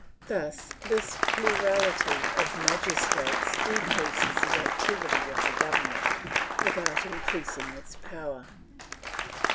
Thus, this plurality of magistrates decreases the activity of the government without increasing its power.